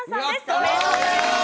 おめでとうございます！